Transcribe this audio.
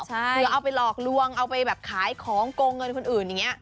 ก็เอาไปหลอกล่วงเอาไปแบบขายของกวนเงินคนอื่นอย่างเงี้ย